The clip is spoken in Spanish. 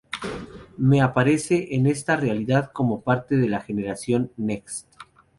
M aparece en esta realidad como parte de la Generation NeXt.